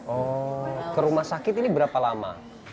oh ke rumah sakit ini berapa lama